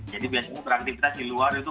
jadi biasanya beraktivitas di luar itu